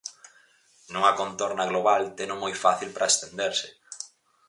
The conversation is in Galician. Nunha contorna global teno moi fácil para estenderse.